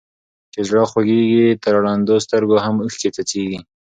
چي زړه خوږيږي تر ړندو سترګو هم اوښکي څڅيږي.